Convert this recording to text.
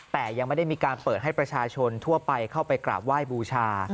แต่ยังไม่ได้มีการเปิดให้ประชาชนทั่วไปเข้าไปกราบไหว้บูชา